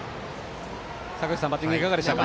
坂口さん、バッティングいかがでしたか？